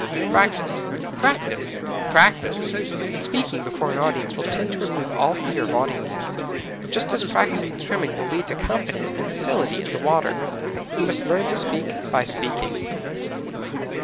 Practise, practise, PRACTISE in speaking before an audience will tend to remove all fear of audiences, just as practise in swimming will lead to confidence and facility in the water. You must learn to speak by speaking.